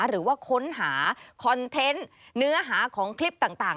หรือว่าค้นหาคอนเทนต์เนื้อหาของคลิปต่าง